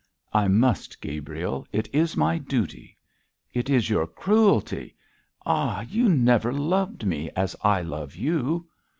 'I must, Gabriel; it is my duty.' 'It is your cruelty! Ah, you never loved me as I love you.'